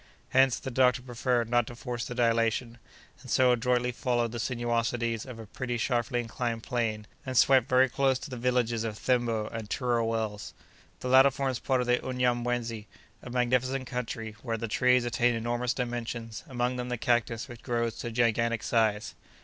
Hence, the doctor preferred not to force the dilation, and so adroitly followed the sinuosities of a pretty sharply inclined plane, and swept very close to the villages of Thembo and Tura Wels. The latter forms part of the Unyamwezy, a magnificent country, where the trees attain enormous dimensions; among them the cactus, which grows to gigantic size.